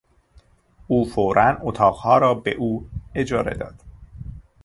او فورا اتاقها را به او اجاره داد.